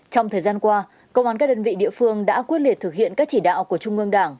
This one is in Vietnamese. trong thời gian qua công an các đơn vị địa phương đã quyết liệt thực hiện các chỉ đạo của trung ương đảng